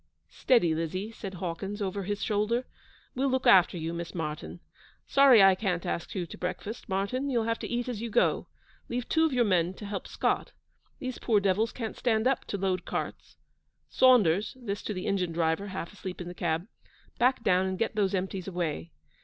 'Steady, Lizzie,' said Hawkins, over his shoulder. 'We'll look after you, Miss Martyn. Sorry I can't ask you to breakfast, Martyn. You'll have to eat as you go. Leave two of your men to help Scott. These poor devils can't stand up to load carts. Saunders' (this to the engine driver, half asleep in the cab), 'back down and get those empties away.'